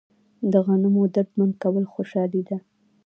د غنمو درمند کول خوشحالي ده.